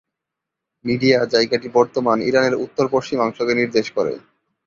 Media জায়গাটি বর্তমান ইরানের উত্তর-পশ্চিমাংশকে নির্দেশ করে।